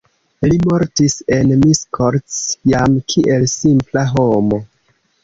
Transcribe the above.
Li mortis en Miskolc jam kiel simpla homo.